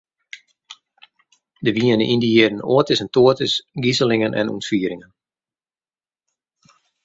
Der wiene yn dy jierren oates en toates gizelingen en ûntfieringen.